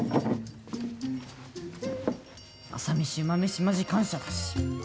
朝飯、ウマ飯、マジ感謝だし。